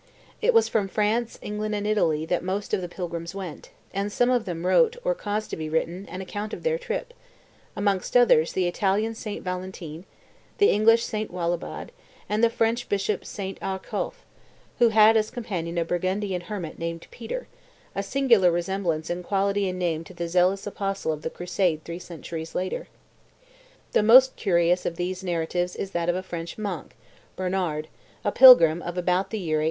It was from France, England, and Italy that most of the pilgrims went, and some of them wrote, or caused to be written, an account of their trip, amongst others the Italian Saint Valentine, the English Saint Willibald, and the French Bishop Saint Arculf, who had as companion a Burgundian hermit named Peter, a singular resemblance in quality and name to the zealous apostle of the Crusade three centuries later. The most curious of these narratives is that of a French monk, Bernard, a pilgrim of about the year 870.